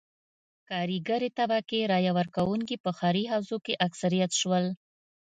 کارګرې طبقې رایه ورکوونکي په ښاري حوزو کې اکثریت شول.